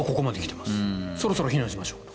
そろそろ避難しましょうとか。